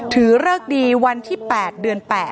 เริกดีวันที่๘เดือน๘